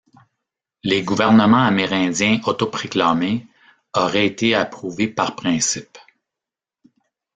Les gouvernements amérindiens autoproclamés auraient été approuvés par principe.